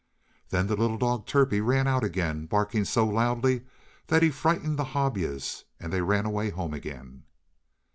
Then the little dog Turpie ran out again, barking so loudly that he frightened the Hobyahs, and they ran away home again.